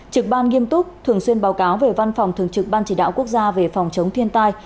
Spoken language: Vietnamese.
trực ban nghiêm túc thường xuyên báo cáo về văn phòng thường trực ban chỉ đạo quốc gia về phòng chống thiên tai